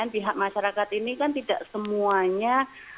pihak masyarakat ini kan tidak semuanya